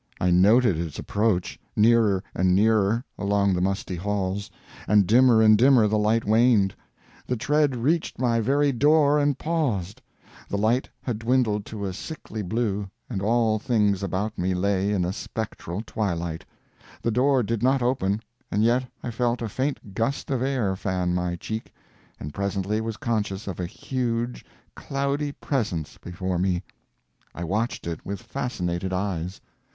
I noted its approach, nearer and nearer, along the musty halls, and dimmer and dimmer the light waned. The tread reached my very door and paused the light had dwindled to a sickly blue, and all things about me lay in a spectral twilight. The door did not open, and yet I felt a faint gust of air fan my cheek, and presently was conscious of a huge, cloudy presence before me. I watched it with fascinated eyes.